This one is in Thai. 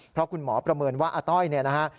เพราะคุณหมอประเมินว่าอาต้อยเนี่ยนะฮะ